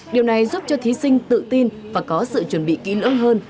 điều này giúp cho thí sinh tự tin và có sự chuẩn bị kỹ lưỡng hơn